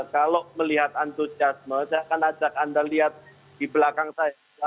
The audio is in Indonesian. kalau melihat antusiasme saya akan ajak anda lihat di belakang saya